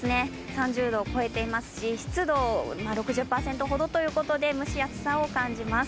３０度を超えていますし、湿度が６０％ほどということで、蒸し暑さを感じます。